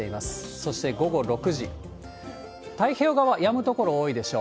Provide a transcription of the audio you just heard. そして午後６時、太平洋側、やむ所多いでしょう。